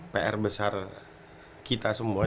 pr besar kita semua